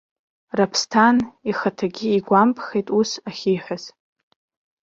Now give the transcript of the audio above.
Раԥсҭан ихаҭагьы игәамԥхеит ус ахьиҳәаз.